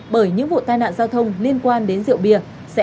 bởi những vụ tai nạn giao thông liên quan đến lực lượng chức năng xử lý